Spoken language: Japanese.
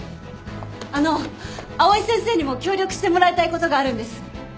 あの藍井先生にも協力してもらいたいことがあるんです。